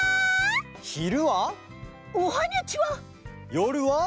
よるは？